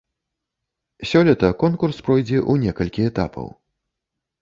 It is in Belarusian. Сёлета конкурс пройдзе у некалькі этапаў.